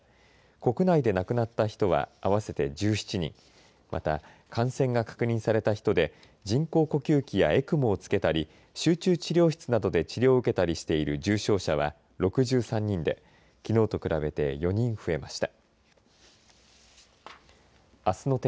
国内で亡くなった人は合わせて１７人また、感染が確認された人で人工呼吸器やＥＣＭＯをつけたり集中治療室などで治療を受けたりしている重症者は６３人で、きのうと比べて４人増えました。